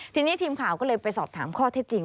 ทีนี้ทีมข่าวก็เลยไปสอบถามข้อเท็จจริง